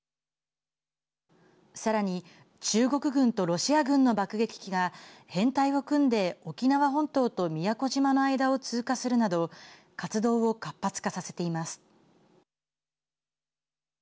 さらに中国軍とロシア軍の爆撃機が編隊を組んで沖縄本島と宮古島の間を通過するなど活動を活発化させています。